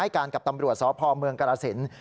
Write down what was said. ให้การกับตำรวจสภเมืองกรสินทร์